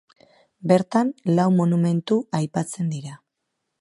Bertan lau monumentu aipatzen dira.